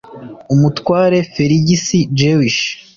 umutware feligisi jewish